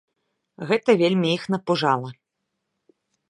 Гэта вельмі іх напужала.